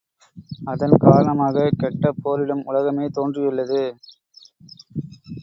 அதன் காரணமாகக் கெட்ட போரிடும் உலகமே தோன்றியுள்ளது.